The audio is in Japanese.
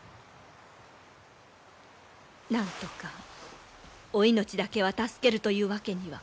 なんとかお命だけは助けるというわけには。